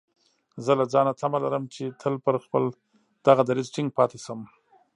زه له ځانه تمه لرم چې تل پر خپل دغه دريځ ټينګ پاتې شم.